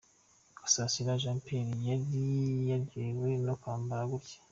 Gasasira Jean Pierre yari yaryohewe no kwambara gutya.